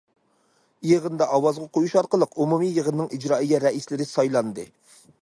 يىغىندا ئاۋازغا قويۇش ئارقىلىق، ئومۇمىي يىغىننىڭ ئىجرائىيە رەئىسلىرى سايلاندى.